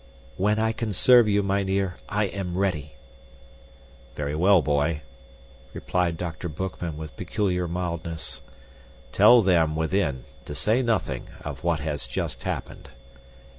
"When I can serve you, mynheer, I am ready." "Very well, boy," replied Dr. Boekman with peculiar mildness. "Tell them, within, to say nothing of what has just happened.